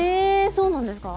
そうなんですか？